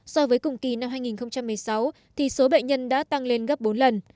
so với cùng kỳ năm hai nghìn một mươi sáu thì số bệnh nhân đã tăng lên gấp bốn lần